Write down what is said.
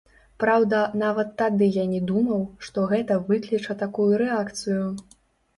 Праўда, нават тады я не думаў, што гэта выкліча такую рэакцыю.